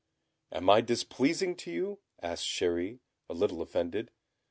"Am I displeasing to you?" asked Chéri, a little offended.